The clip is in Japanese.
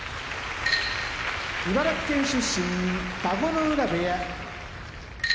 茨城県出身田子ノ浦部屋宝